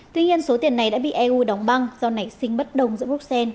tuy nhiên số tiền này đã bị eu đóng băng do nảy sinh bất đồng giữa bruxelles